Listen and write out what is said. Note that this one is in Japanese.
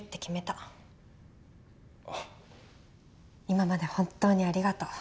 今まで本当にありがとう。